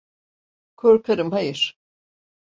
Korkarım hayır.